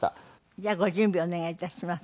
じゃあご準備お願い致します。